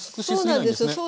そうなんですよ。